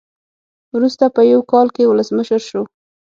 وروسته په یو کال کې ولسمشر شو.